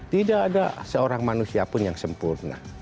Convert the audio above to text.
tidak ada seorang manusia pun yang sempurna